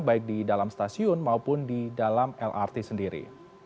baik di dalam stasiun maupun di dalam lrt sendiri